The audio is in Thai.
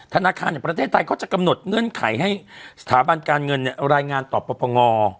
ธนาคารแห่งประเทศไทยเขาจะกำหนดเงื่อนไขให้สถาบันการเงินรายงานต่อปรปง